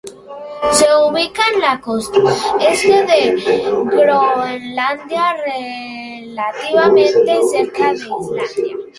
Se ubica en la costa este de Groenlandia, relativamente cerca de Islandia.